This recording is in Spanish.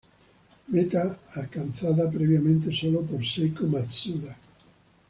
Meta alcanzada previamente solo por Seiko Matsuda.